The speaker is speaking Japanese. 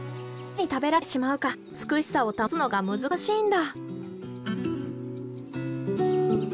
すぐに食べられてしまうから美しさを保つのが難しいんだ。